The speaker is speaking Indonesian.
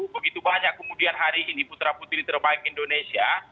begitu banyak kemudian hari ini putra putri terbaik indonesia